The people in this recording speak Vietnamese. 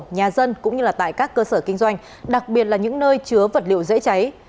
nhà dân cũng như tại các cơ sở kinh doanh đặc biệt là những nơi chứa vật liệu dễ cháy